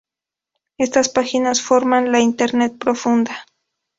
Estas páginas forman la "Internet Profunda".